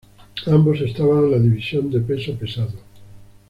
Ambos estaban en la división de peso pesado.